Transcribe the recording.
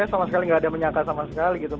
sama sekali gak ada yang menyangka sama sekali gitu